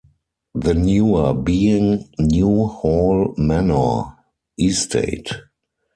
The newer being New Hall Manor Estate.